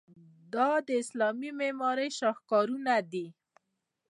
دا د اسلامي معمارۍ شاهکارونه دي.